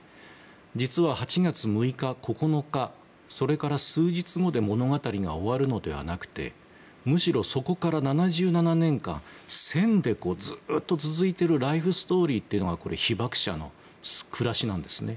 実は８月６日、９日それから数日で物語が終わるのではなくてむしろ、そこから７７年間線でずっと続いているライフストーリーというのが被爆者の暮らしなんですね。